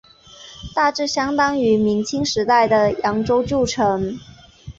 大致相当于明清时期的扬州旧城。